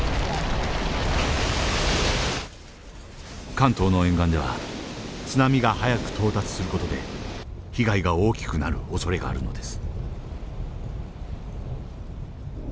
関東の沿岸では津波が早く到達する事で被害が大きくなるおそれがあるのです。